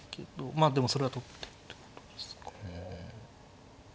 まあでもそれは取ってってことですか。